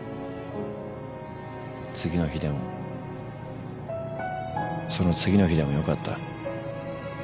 次の日でもその次の日でも良かった。